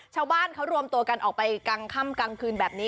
ชาวบ้านเขารวมตัวกันออกไปกลางค่ำกลางคืนแบบนี้